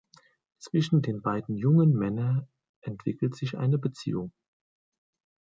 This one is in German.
Zwischen den beiden jungen Männer entwickelt sich eine Beziehung.